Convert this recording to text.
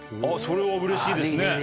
⁉それはうれしいですね。